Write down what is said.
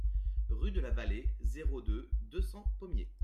Rue de la Vallée, zéro deux, deux cents Pommiers